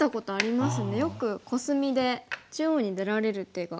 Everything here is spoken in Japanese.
よくコスミで中央に出られる手が。